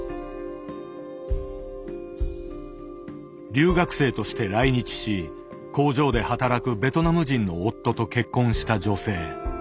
留学生として来日し工場で働くベトナム人の夫と結婚した女性。